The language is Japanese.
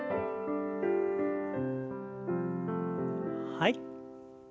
はい。